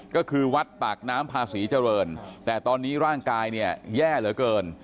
ก็คือวัดปากน้ำพาศรีเจริญแต่ตอนนี้ร่างกายเนี่ยแย่เหลือเกิน